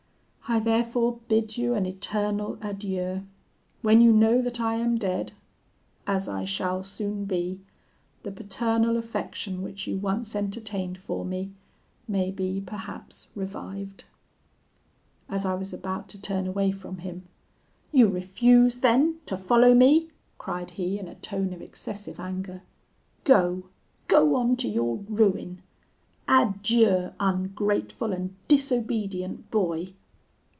I, therefore, bid you an eternal adieu. When you know that I am dead, as I shall soon be, the paternal affection which you once entertained for me may be perhaps revived.' "As I was about to turn away from him: 'You refuse then to follow me,' cried he, in a tone of excessive anger. 'Go! go on to your ruin. Adieu! ungrateful and disobedient boy.'